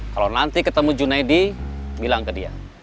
kalau nanti ketemu junaidi bilang ke dia